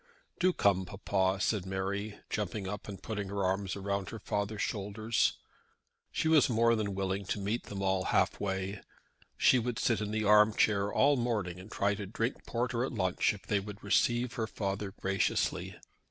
"Do come, papa," said Mary, jumping up and putting her arm round her father's shoulders. She was more than willing to meet them all half way. She would sit in the arm chair all the morning and try to drink porter at lunch if they would receive her father graciously.